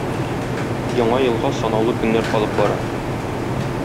Яңа елга санаулы көннәр калып бара.